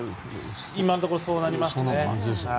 今のところそうなりますね。